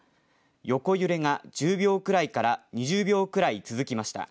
横揺れが１０秒くらいから２０秒くらい続きました。